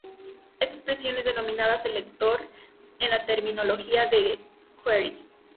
Esta expresión es denominada selector en la terminología de jQuery.